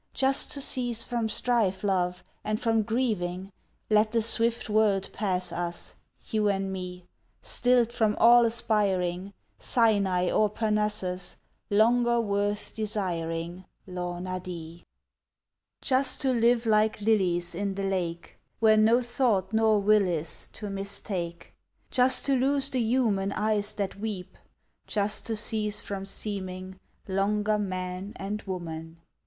Just to cease from strife, love, And from grieving; Let the swift world pass us, You and me, Stilled from all aspiring, Sinai nor Parnassus Longer worth desiring, Launa Dee! Just to live like lilies In the lake! Where no thought nor will is, To mistake! Just to lose the human Eyes that weep! Just to cease from seeming Longer man and woman!